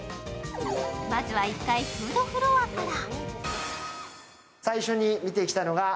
まずは１階フードフロアから。